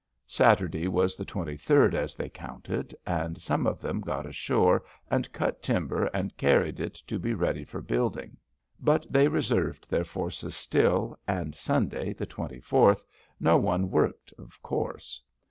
Saturday was the twenty third, as they counted, and some of them got ashore and cut timber and carried it to be ready for building. But they reserved their forces still, and Sunday, the twenty fourth, no one worked of course.